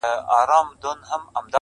کلونه کیږي په خوبونو کي راتللې اشنا-